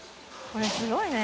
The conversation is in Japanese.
これすごいね。